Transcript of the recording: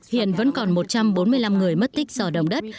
hiện vẫn còn một trăm bốn mươi năm người mất tích do động đất